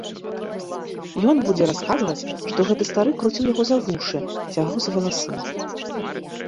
Ён будзе расказваць, што гэты стары круціў яго за вушы, цягаў за валасы.